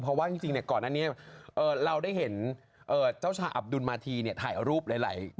เพราะว่าจริงเนี่ยก่อนอันนี้เราได้เห็นเจ้าชายอับดุลมาธีเนี่ยถ่ายรูปหลายกีฬา